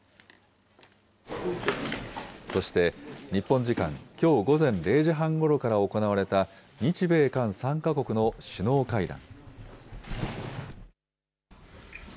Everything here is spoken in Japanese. そして日本時間きょう午前０時半ごろから行われた日米韓３か国の首脳会談。